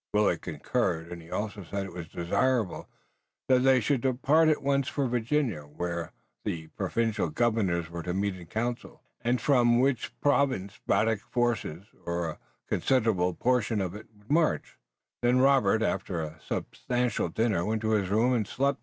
Willet concurred, and he also said it was desirable that they should depart at once for Virginia, where the provincial governors were to meet in council, and from which province Braddock's force, or a considerable portion of it, would march. Then Robert, after a substantial supper, went to his room and slept.